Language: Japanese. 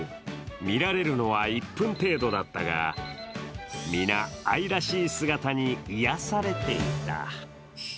見られるのは１分程度だったが皆、愛らしい姿に癒やされていた。